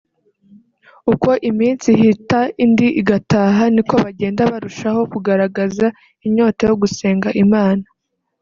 uko iminsi ihita indi igataha niko bagenda barushaho kugaragaza inyota yo gusenga Imana